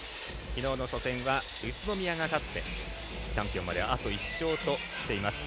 きのうの初戦は宇都宮が勝ってチャンピオンまであと１勝としています。